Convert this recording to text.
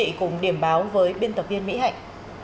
hãy cùng điểm báo với biên tập viên mỹ hạnh